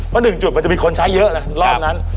เพราะหนึ่งจุดมันจะมีคนใช้เยอะนะรอบนั้น